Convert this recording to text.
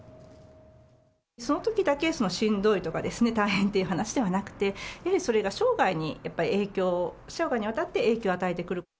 そのときだけしんどいとか大変というだけじゃなくて、それが生涯にわたって、それが生涯にわたって影響を与えてくると。